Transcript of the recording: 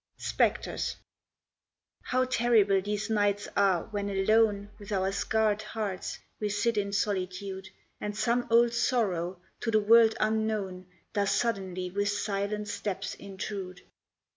SPECTRES How terrible these nights are when alone With our scarred hearts, we sit in solitude, And some old sorrow, to the world unknown, Does suddenly with silent steps intrude.